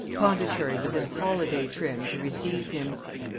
Pondicherry was in holiday trim to receive him.